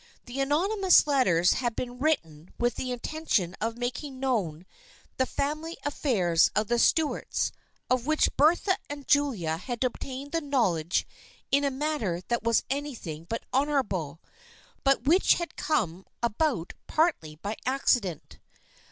The anonymous letters had been writ ten with the intention of making known the family affairs of the Stuarts, of which Bertha and Julia had obtained the knowledge in a manner that was anything but honorable, but which had come about partly by accident.